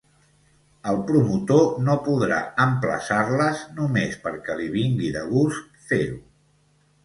El promotor no podrà emplaçar-les només perquè li vingui de gust fer-ho.